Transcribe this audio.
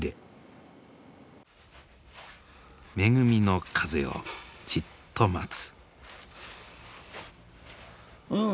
恵みの風をじっと待つ。